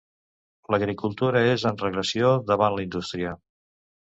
L'agricultura és en regressió davant la indústria.